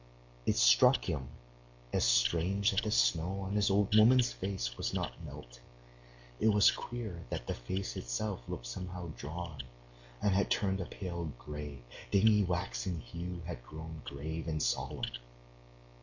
It struck him as strange that the snow on his old woman's face was not melting; it was queer that the face itself looked somehow drawn, and had turned a pale gray, dingy waxen hue and had grown grave and solemn.